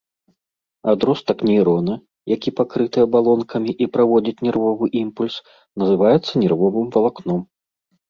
Адростак нейрона, які пакрыты абалонкамі і праводзіць нервовы імпульс, называецца нервовым валакном.